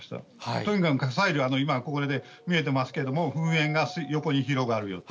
とにかく火砕流、今、見えてますけど、噴煙が横に広がるよと。